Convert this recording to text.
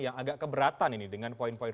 yang agak keberatan ini dengan poin poin